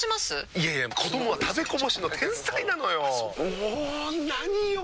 いやいや子どもは食べこぼしの天才なのよ。も何よ